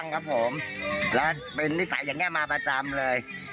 เขาคุ้มคั่งเป็นนิสัยครับมาประจำเลย